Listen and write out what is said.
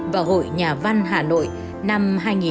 vào hội nhà văn hà nội năm hai nghìn hai mươi một